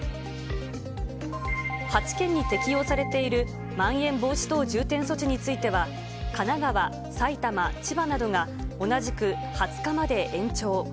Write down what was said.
８県に適用されているまん延防止等重点措置については、神奈川、埼玉、千葉などが同じく２０日まで延長。